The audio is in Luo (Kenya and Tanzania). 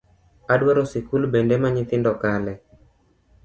Adwaro sikul bende ma nyithindo kale